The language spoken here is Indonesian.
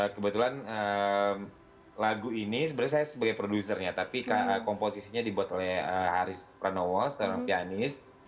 kebetulan lagu ini sebenarnya saya sebagai produsernya tapi komposisinya dibuat oleh haris pranowo seorang pianis